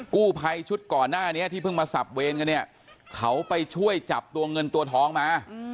กู้ภัยชุดก่อนหน้านี้ที่เพิ่งมาสับเวรกันเนี่ยเขาไปช่วยจับตัวเงินตัวทองมา